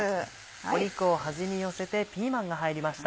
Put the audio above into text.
肉を端に寄せてピーマンが入りました。